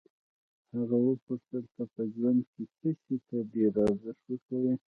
هغه وپوښتل ته په ژوند کې څه شي ته ډېر ارزښت ورکوې.